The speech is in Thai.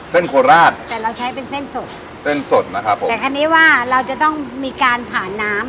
โคราชแต่เราใช้เป็นเส้นสดเส้นสดนะครับผมแต่อันนี้ว่าเราจะต้องมีการผ่านน้ำ